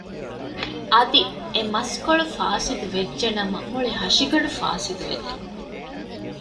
އަދި އެ މަސްކޮޅު ފާސިދު ވެއްޖެ ނަމަ މުޅި ހަށިގަނޑު ފާސިދު ވެދޭ